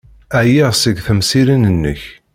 Ɛyiɣ seg temsirin-nnek.